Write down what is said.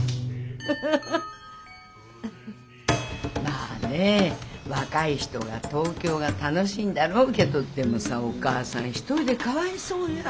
まあねぇ若い人は東京が楽しいんだろうけどでもさお母さん一人でかわいそうよあんた。